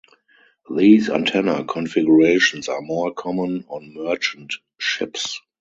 These antenna configurations are more common on merchant ships.